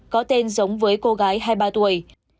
có tên giống với cô gái hai mươi ba tuổi